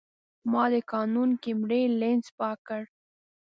ما د کانون کیمرې لینز پاک کړ.